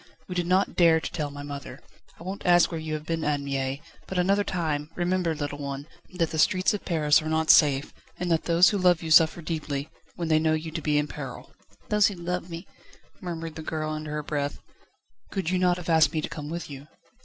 We did not dare to tell my mother. I won't ask you where you have been, Anne Mie, but another time, remember, little one, that the streets of Paris are not safe, and that those who love you suffer deeply, when they know you to be in peril." "Those who love me!" murmured the girl under her breath. "Could you not have asked me to come with you?"